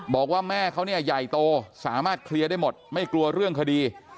บอกว่าแม่เขาเนี่ยใหญ่โตสามารถเคลียร์ได้หมดไม่กลัวเรื่องคดี